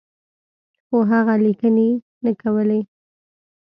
خو هغه لیکني ده نه کولې.